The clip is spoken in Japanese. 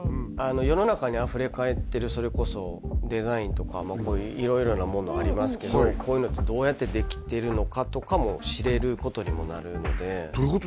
世の中にあふれかえってるそれこそデザインとかこういう色々なものありますけどこういうのってどうやってできてるのかとかも知れることにもなるのでどういうこと？